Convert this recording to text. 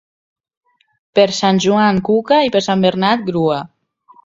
Per Sant Joan, cuca, i per Sant Bernat, grua.